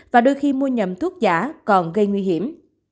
và đôi khi mua nhầm thuốc giả còn gây nguy hiểm